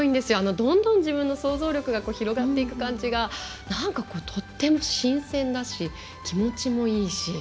どんどん自分の想像力が広がっていく感じがなんかとっても新鮮だし気持ちもいいし。